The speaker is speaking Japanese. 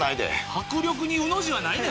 迫力に「う」の字はないで！